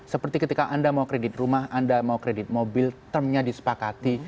seperti ketika anda mau kredit rumah anda mau kredit mobil termnya disepakati